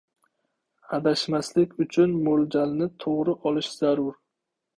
Adashmaslik uchun mo‘ljalni to‘g‘ri olish zarur.